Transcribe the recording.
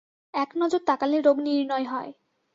একনজর তাকালে রোগ নির্ণয় হয়।